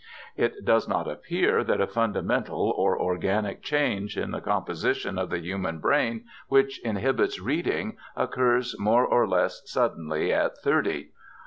It does not appear that a fundamental or organic change in the composition of the human brain which inhibits reading occurs more or less suddenly at thirty.